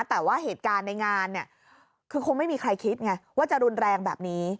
แต่ว่าเหตุการณ์ในงานเนี่ยคือคงไม่มีใครคิดไงว่าจะรุนแรงแบบนี้